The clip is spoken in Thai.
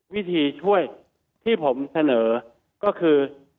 วิธีช่วยที่ผมเสนอก็คือ